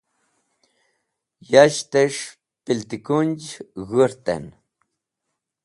Yashtẽs̃h plikunj k̃hũrtẽn.